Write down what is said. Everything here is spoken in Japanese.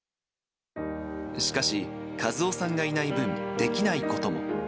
しかし、和雄さんがいない分、できないことも。